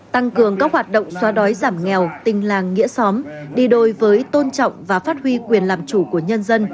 tăng cường các hoạt động xóa đói giảm nghèo tình làng nghĩa xóm đi đôi với tôn trọng và phát huy quyền làm chủ của nhân dân